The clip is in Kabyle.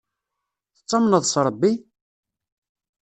Tettamneḍ s Ṛebbi?